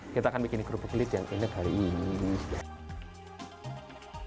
kita akan bikin kerupuk kulit yang indah kali ini